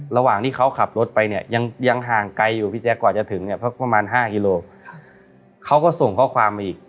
ระหว่างที่เขาขับรถไปเนี่ยยังห่างไกลอยู่พี่แจ๊คกว่าจะถึงเนี่ยประมาณ๕กิโลเขาก็ส่งข้อความมาอีก